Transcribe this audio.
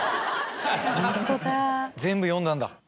全部読んだんだ。